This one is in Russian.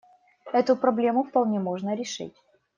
Эту проблему вполне можно решить.